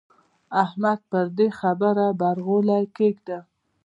احمده پر دې خبره برغولی کېږده.